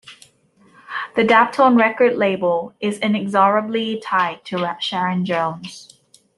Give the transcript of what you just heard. The Daptone Record label is inexorably tied to Sharon Jones.